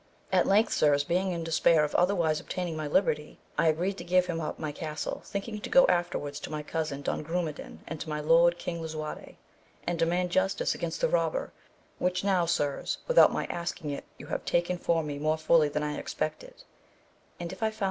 At length sirs being in despair of otherwise obtaining my liberty I agreed to give him up my castle, thinking to go afterwards to my cousin Don Grumedan, and to my lord King Lisuarte, and demand justice against the robber, which now sirs, without my asking it, you have taken for me more fully than I expected ; and if I found.